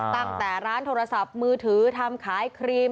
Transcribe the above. ตั้งแต่ร้านโทรศัพท์มือถือทำขายครีม